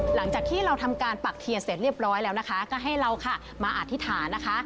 หลังจากที่เราทำการปักเทียนเสร็จเรียบร้อยแล้วนะคะก็ให้เราค่ะมาอธิษฐานนะคะ